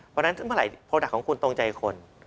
เพราะฉะนั้นเมื่อไหรโปรดักต์ของคุณตรงใจคน